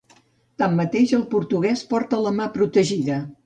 Tanmateix, el portuguès porta la mà protegida.